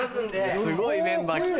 すごいメンバー来て。